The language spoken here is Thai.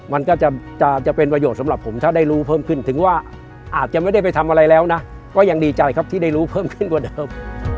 มันก็จะเป็นประโยชน์สำหรับผมถ้าได้รู้เพิ่มขึ้นถึงว่าอาจจะไม่ได้ไปทำอะไรแล้วนะก็ยังดีใจครับที่ได้รู้เพิ่มขึ้นกว่าเดิม